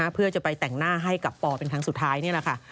เพื่อจะไปแต่งหน้าให้กับปอเป็นครั้งสุดท้ายนี่แหละค่ะ